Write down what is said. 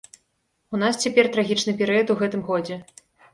У нас цяпер трагічны перыяд у гэтым годзе.